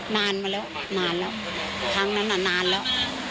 นานมาแล้วนานแล้วครั้งนั้นน่ะนานแล้ว